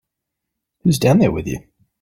Who's down there with you?